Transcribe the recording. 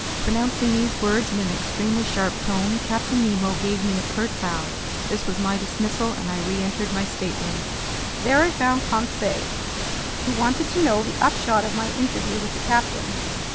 Pronouncing these words in an extremely sharp tone, Captain Nemo gave me a curt bow. This was my dismissal, and I reentered my stateroom. There I found Conseil, who wanted to know the upshot of my interview with the captain.